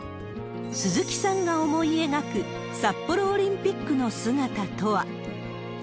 鈴木さんが思い描く札幌オリンピックの姿とは。